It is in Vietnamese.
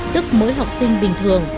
tức mỗi học sinh bình thường